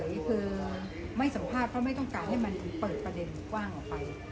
อยู่เฉยจ่อยคือไม่สัมภาพเพราะไม่ต้องการให้มันเปิดประเดนกว้างออกไป